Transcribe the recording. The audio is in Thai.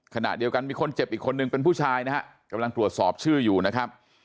ขณะเดียวกันมีคนเจ็บอีกคนนึงเป็นผู้ชายนะฮะกำลังตรวจสอบชื่ออยู่นะครับ